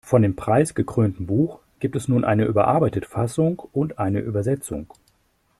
Von dem preisgekrönten Buch gibt es nun eine überarbeitete Fassung und eine Übersetzung.